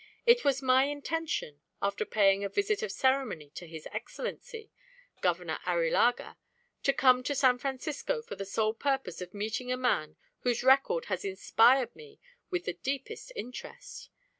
It was my intention, after paying a visit of ceremony to his excellency, Governor Arrillaga, to come to San Francisco for the sole purpose of meeting a man whose record has inspired me with the deepest interest.